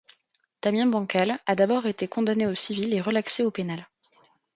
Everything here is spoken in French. Damien Bancal a été d'abord condamné au civil et relaxé au pénal.